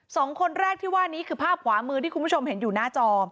สองคนแรกที่ว่านี้คือภาพขวามือที่คุณผู้ชมเห็นอยู่หน้าจอ